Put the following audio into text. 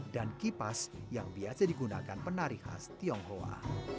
dan kipas yang biasa digunakan penari khas tionghoa